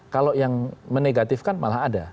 kalau yang menegatifkan malah ada